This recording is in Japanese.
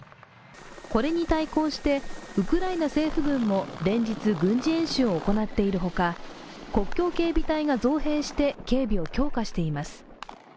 これに対抗してウクライナ政府軍も連日軍事演習を行っているほか、国境警備隊が増兵して警備を強化しています。